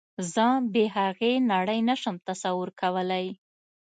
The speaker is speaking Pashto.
زه بې هغې نړۍ نشم تصور کولی